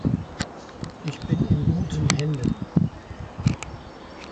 Ich bin in guten Händen.